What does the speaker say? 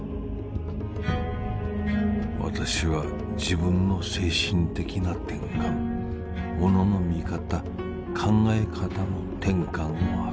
「私は自分の精神的な転換モノの見方考え方の転換をはかった」。